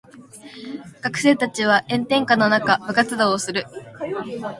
学生たちは炎天下の中部活動をする。